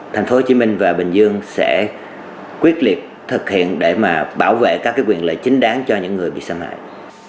thành phố hồ chí minh và bình dương sẽ quyết liệt thực hiện để mà bảo vệ các quyền lợi chính đáng cho những người bị xâm hại